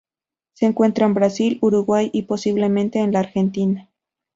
Se encuentra en Brasil, Uruguay y, posiblemente, en la Argentina.